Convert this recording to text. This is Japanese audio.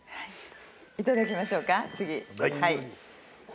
いただきましょうか次。